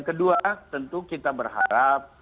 kedua tentu kita berharap